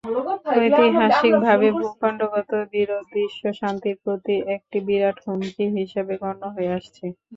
ঐতিহাসিকভাবে ভূখণ্ডগত বিরোধ বিশ্বশান্তির প্রতি একটি বিরাট হুমকি হিসেবে গণ্য হয়ে আসছে।